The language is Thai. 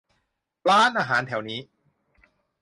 ร้านอาหารแถวนี้